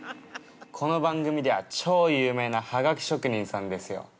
この番組では超有名なハガキ職人さんですよ！